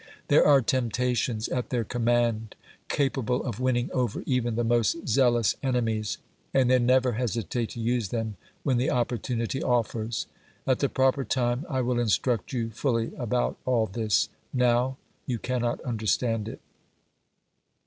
There are temptations at their command capable of winning over even the most zealous enemies, and they never hesitate to use them when the opportunity offers. At the proper time I will instruct you fully about all this; now, you cannot understand it."